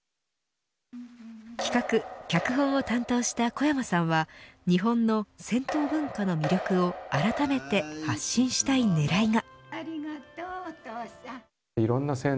企画、脚本を担当した小山さんは日本の銭湯文化の魅力をあらためて発信したい狙いが。